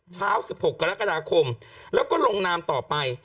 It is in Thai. เช้า๑๖กรกฎาคมแล้วก็ลงนามต่อไป